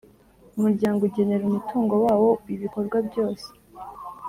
Umuryango ugenera umutungo wawo ibikorwa byose